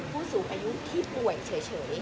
ผู้สูงอายุที่ป่วยเฉย